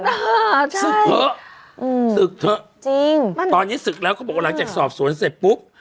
ศึกเถอะอืมศึกเถอะจริงตอนนี้ศึกแล้วเขาบอกว่าหลังจากสอบสวนเสร็จปุ๊บ